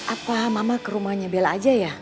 apa mama ke rumahnya bela aja ya